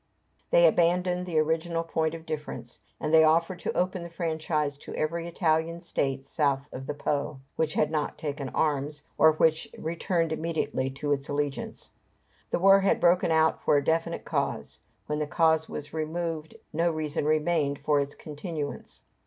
They abandoned the original point of difference, and they offered to open the franchise to every Italian state south of the Po, which had not taken arms, or which returned immediately to its allegiance. The war had broken out for a definite cause. When the cause was removed no reason remained for its continuance.